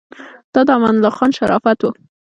دا د امان الله خان شرافت و.